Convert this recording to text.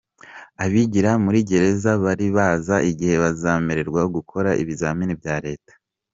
Abigira muri gereza baribaza igihe bazemererwa gukora ibizamini bya Leta